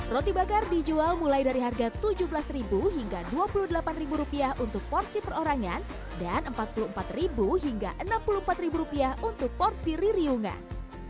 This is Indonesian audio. roti bakar dijual mulai dari harga rp tujuh belas hingga rp dua puluh delapan untuk porsi perorangan dan rp empat puluh empat hingga rp enam puluh empat untuk porsi ririungan